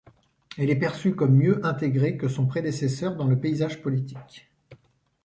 Elle est perçue comme mieux intégrée que son prédécesseur dans le paysage politique.